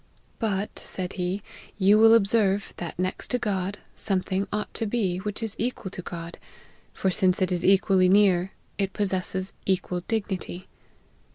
' But,' said he, ' you will observe, that next to God, some thing ought to be, which is equal to God ; for since it is equally near, it possesses equal dignity.